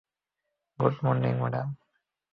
Good morning, madam!